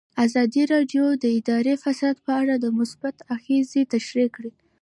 ازادي راډیو د اداري فساد په اړه مثبت اغېزې تشریح کړي.